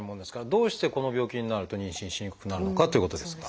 どうしてこの病気になると妊娠しにくくなるのかということですが。